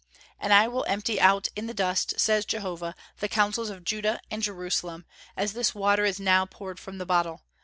"And I will empty out in the dust, says Jehovah, the counsels of Judah and Jerusalem, as this water is now poured from the bottle.